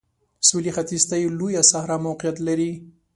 سویلي ختیځ ته یې لویه صحرا موقعیت لري.